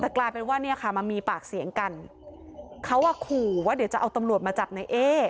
แต่กลายเป็นว่าเนี่ยค่ะมามีปากเสียงกันเขาอ่ะขู่ว่าเดี๋ยวจะเอาตำรวจมาจับในเอ๊